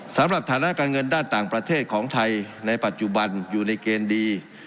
สถานะการเงินด้านต่างประเทศของไทยในปัจจุบันอยู่ในเกณฑ์ดี